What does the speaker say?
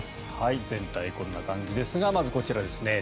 全体、こんな感じですがまずこちらですね。